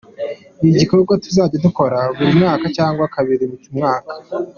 Ni igikorwa tuzajya dukora buri mwaka cyangwa kabiri mu mwaka”.